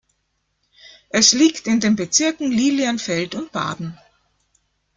Es liegt in den Bezirken Lilienfeld und Baden.